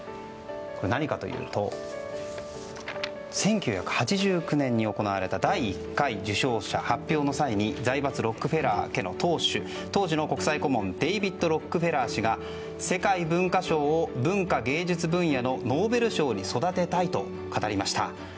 何かというと、１９８９年に行われた第１回受賞者発表の際に財閥ロックフェラー家の当主当時の国際顧問デイヴィッド・ロックフェラー氏が世界文化賞を文化・芸術分野のノーベル賞に育てたいと語りました。